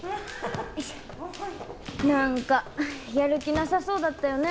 なんかやる気なさそうだったよね